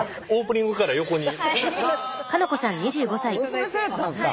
娘さんやったんですか！